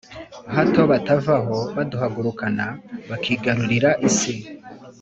hato batava aho baduhagurukana, bakigarurira isi,